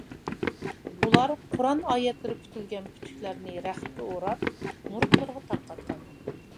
ئۇلار قۇرئان ئايەتلىرى پۈتۈلگەن پۈتۈكلەرنى رەختكە ئوراپ، مۇرىتلىرىغا تارقاتقان.